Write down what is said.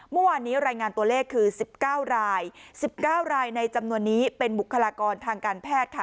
เมื่อวานนี้รายงานตัวเลขคือ๑๙ราย๑๙รายในจำนวนนี้เป็นบุคลากรทางการแพทย์ค่ะ